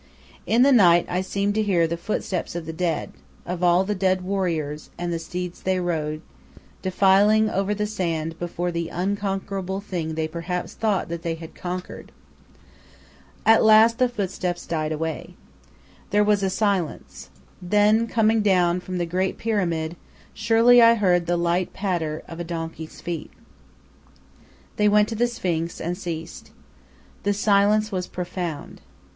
In the night I seemed to hear the footsteps of the dead of all the dead warriors and the steeds they rode, defiling over the sand before the unconquerable thing they perhaps thought that they had conquered. At last the footsteps died away. There was a silence. Then, coming down from the Great Pyramid, surely I heard the light patter of a donkey's feet. They went to the Sphinx and ceased. The silence was profound.